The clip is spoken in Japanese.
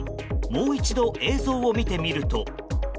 もう一度、映像を見てみると。